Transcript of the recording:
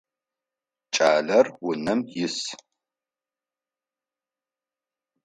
Кӏалэр унэм ис.